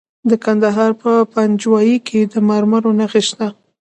د کندهار په پنجوايي کې د مرمرو نښې شته.